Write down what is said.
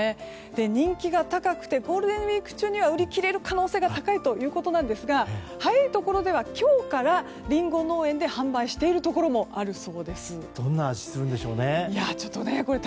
人気が高くてゴールデンウィーク中には売り切れる可能性が高いということですが早いところでは今日からリンゴ農園で販売しているところもあるそうです。